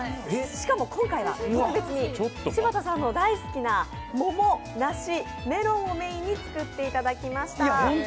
しかも今回は特別に柴田さんの大好きな桃、梨、メロンをメインに作っていただきました。